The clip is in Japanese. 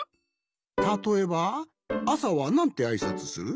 たとえばあさはなんてあいさつする？